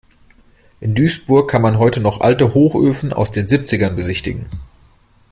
In Duisburg kann man heute noch alte Hochöfen aus den Siebzigern besichtigen.